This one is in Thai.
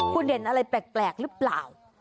คุณเห็นอะไรแปลกหรือเปล่า